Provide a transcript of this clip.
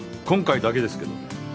今回だけですけどね。